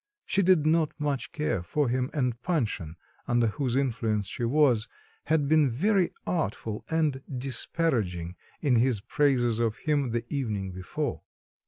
She did not much care for him, and Panshin, under whose influence she was, had been very artful and disparaging in his praises of him the evening before.